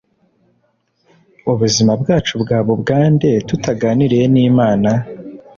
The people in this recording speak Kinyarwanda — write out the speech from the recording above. ubuzima bwacu bwaba ubwande tutaganriye nimana